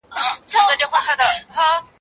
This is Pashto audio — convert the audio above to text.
چي« رېبې به هغه څه چي دي کرلې»